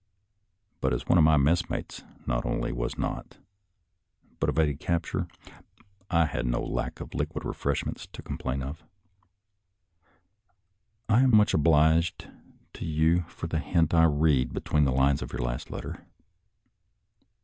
But as one of my messmates not only was not, but evaded capture, I had no lack of liquid refreshments to com plain of. I am much obliged to you for the hint I read between the lines of your last letter.